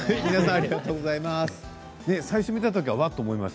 ありがとうございます。